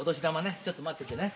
ちょっと待っててね。